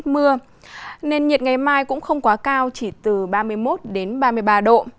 mưa nên nhiệt ngày mai cũng không quá cao chỉ từ ba mươi một ba mươi ba độ